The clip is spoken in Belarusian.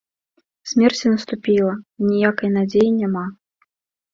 Смерць наступіла, аніякай надзеі няма.